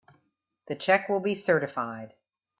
The check will be certified.